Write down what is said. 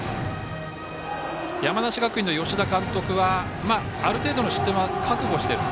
山梨学院の吉田監督はある程度の失点は覚悟している。